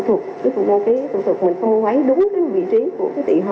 tự thực mình không đúng vị trí của tỵ hầu và chúng ta không có thể lấy được chỗ virus